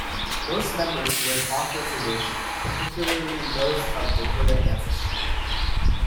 Most members live off-Reservation, particularly those of Dakota ancestry.